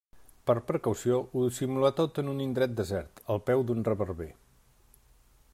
Per precaució, ho dissimula tot en un indret desert, al peu d'un reverber.